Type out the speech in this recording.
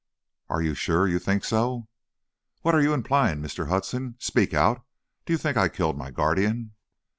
"Are you sure you think so?" "What are you implying, Mr. Hudson? Speak out! Do you think I killed my guardian?"